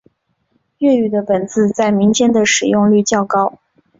粤语的本字在民间的使用率较高。